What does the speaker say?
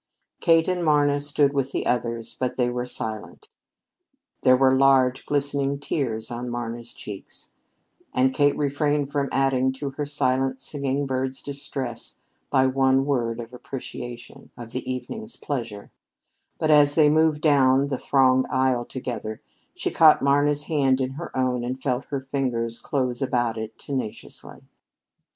Kate and Marna stood with the others, but they were silent. There were large, glistening tears on Marna's cheeks, and Kate refrained from adding to her silent singing bird's distress by one word of appreciation of the evening's pleasure; but as they moved down the thronged aisle together, she caught Marna's hand in her own, and felt her fingers close about it tenaciously.